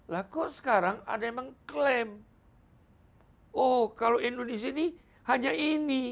lah kok sekarang ada yang mengklaim oh kalau indonesia ini hanya ini